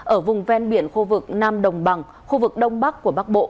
ở vùng ven biển khu vực nam đồng bằng khu vực đông bắc của bắc bộ